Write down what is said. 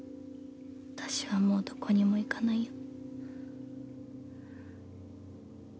私はもうどこにも行かないよ。